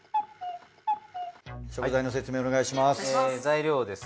食材の説明お願いします。